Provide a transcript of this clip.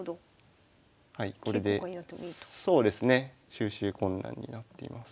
収拾困難になっています。